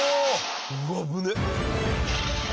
うわっ危ねえ。